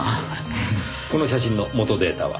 この写真の元データは？